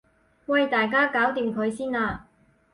喂大家搞掂佢先啦